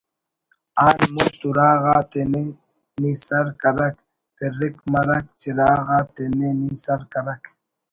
آن مست اُراغا تینے نی سر کرک پرک مرک چراغ آ تینے نی سر کرک